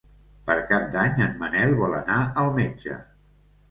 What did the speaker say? Per Cap d'Any en Manel vol anar al metge.